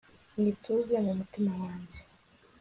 nyituze mu mutima wanjye